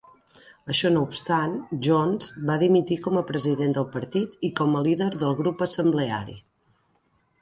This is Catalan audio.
Això no obstant, Jones va dimitir com a president del partit i com a líder del grup assembleari.